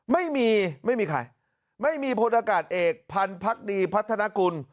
ไม่มีไม่มีใครไม่มีพลอากาศเอกพันธ์พักดีพัฒนากุล